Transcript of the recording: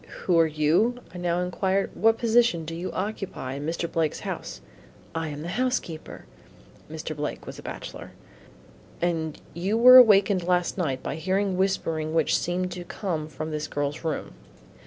"Who are you?" I now inquired. "What position do you occupy in Mr. Blake's house?" "I am the housekeeper." Mr. Blake was a bachelor. "And you were wakened last night by hearing whispering which seemed to come from this girl's room."